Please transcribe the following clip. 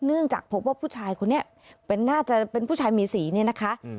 เนื่องจากพบว่าผู้ชายคนนี้น่าจะเป็นผู้ชายมีสีเนี่ยนะคะ